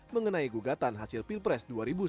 mengenai gugatan hasil pilpres dua ribu sembilan belas